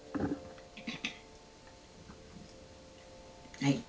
はい。